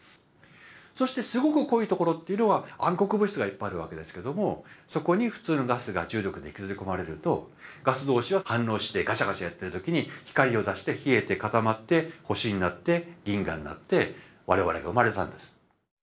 そしてすごく濃いところっていうのは暗黒物質がいっぱいあるわけですけどもそこに普通のガスが重力で引きずり込まれるとガス同士は反応してガチャガチャやってる時に光を出して冷えて固まって星になって銀河になって我々が生まれたんです。